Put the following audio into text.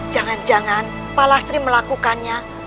jangan jangan pak lasri melakukannya